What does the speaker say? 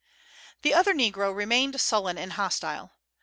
The other negro remained sullen and hostile.